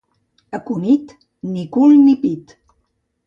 A Cunit, ni cul ni pit.